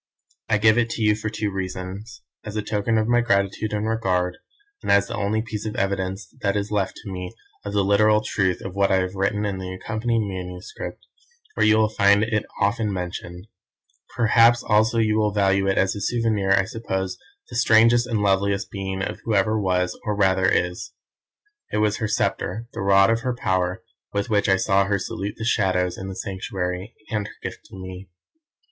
I give it to you for two reasons; as a token of my gratitude and regard, and as the only piece of evidence that is left to me of the literal truth of what I have written in the accompanying manuscript, where you will find it often mentioned. Perhaps also you will value it as a souvenir of, I suppose, the strangest and loveliest being who ever was, or rather, is. It was her sceptre, the rod of her power, with which I saw her salute the Shadows in the Sanctuary, and her gift to me.